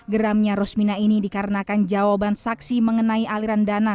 geramnya rosmina ini dikarenakan jawaban saksi mengenai aliran dana